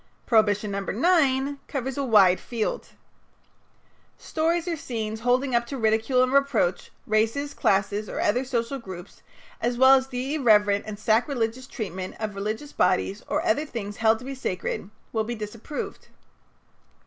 Prohibition No. 9 covers a wide field: "Stories or scenes holding up to ridicule and reproach races, classes, or other social groups, as well as the irreverent and sacrilegious treatment of religious bodies or other things held to be sacred, will be disapproved."